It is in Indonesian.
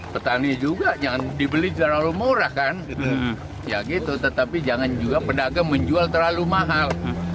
petani juga jangan dibeli terlalu murah kan ya gitu tetapi jangan juga pedagang menjual terlalu mahal